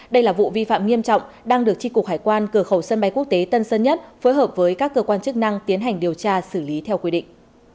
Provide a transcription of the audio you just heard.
đây là vụ vi phạm nghiêm trọng đang được tri cục hải quan cửa khẩu sân bay quốc tế tân sơn nhất phối hợp với các cơ quan chức năng tiến hành điều tra xử lý theo quy định